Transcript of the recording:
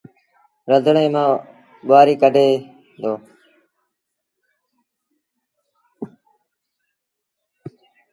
رڌڻي مآݩ ٻوهآريٚ ڪڍي دو۔